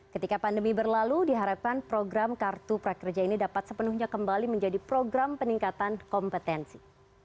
ketika pandemi berlalu diharapkan program kartu prakerja ini dapat sepenuhnya kembali menjadi program peningkatan kompetensi